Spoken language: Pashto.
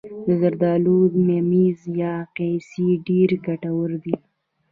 د زردالو ممیز یا قیسی ډیر ګټور دي.